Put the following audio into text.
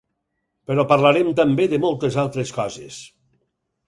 Però parlarem també de moltes altres coses.